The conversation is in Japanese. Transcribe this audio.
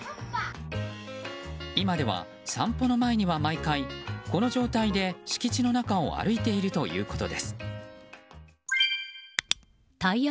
今では、散歩の前には毎回、この状態で敷地の中を歩いているということです。